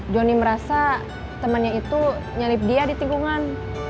jonny merasa temennya itu nyelip dia di tinggungan